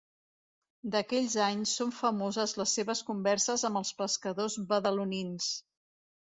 D'aquells anys són famoses les seves converses amb els pescadors badalonins.